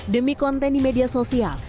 demi konten di media sosial